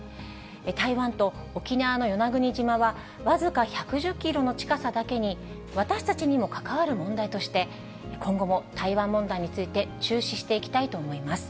台湾と沖縄の与那国島は僅か１１０キロの近さだけに、私たちにも関わる問題として、今後も台湾問題について注視していきたいと思います。